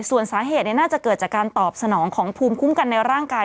ส่วนสาเหตุน่าจะเกิดจากการตอบสนองของภูมิคุ้มกันในร่างกาย